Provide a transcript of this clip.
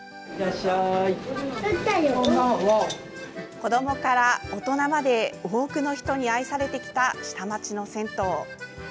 子どもから大人まで多くの人に愛されてきた下町の銭湯。